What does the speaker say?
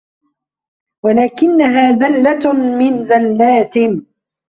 وَلَكِنَّهَا زَلَّةٌ مِنْ زَلَّاتِ